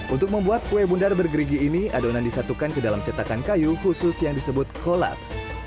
untuk membuat kue bundar bergerigi ini adonan disatukan ke dalam cetakan kayu khusus yang disebut kolat